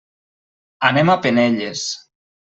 Anem a Penelles.